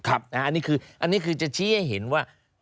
อันนี้คือจะชี้ให้เห็นว่า